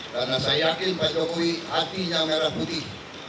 karena saya yakin pak jokowi hatinya merah putih